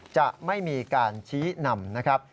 จะไม่มีการชี้นำนะครับ